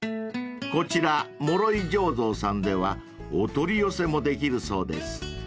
［こちら諸井醸造さんではお取り寄せもできるそうです］